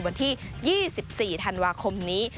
วันที่๒๔ธันวาคมนี้